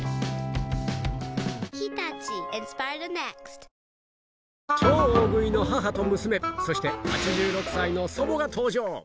ニトリ超大食いの母と娘そして８６歳の祖母が登場